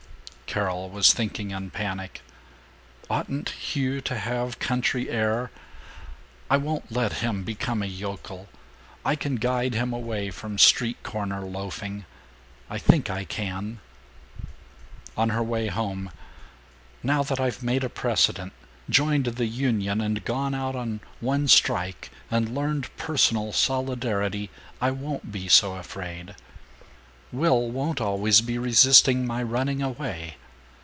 Carol was thinking, in panic, "Oughtn't Hugh to have country air? I won't let him become a yokel. I can guide him away from street corner loafing. ... I think I can." On her way home: "Now that I've made a precedent, joined the union and gone out on one strike and learned personal solidarity, I won't be so afraid. Will won't always be resisting my running away.